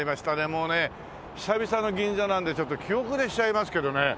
もうね久々の銀座なんでちょっと気後れしちゃいますけどね。